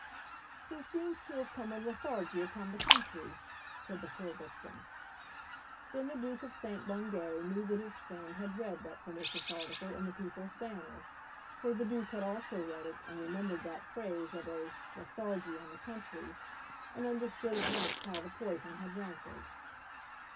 "There seems to have come a lethargy upon the country," said the poor victim. Then the Duke of St. Bungay knew that his friend had read that pernicious article in the "People's Banner," for the Duke had also read it and remembered that phrase of a "lethargy on the country," and understood at once how the poison had rankled.